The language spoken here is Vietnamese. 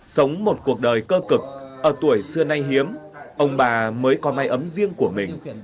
sống một cuộc đời cơ cực ở tuổi xưa nay hiếm ông bà mới có máy ấm riêng của mình